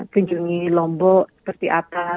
kunjungi lombok seperti apa